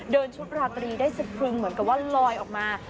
ชุดราตรีได้สะพรึงเหมือนกับว่าลอยออกมา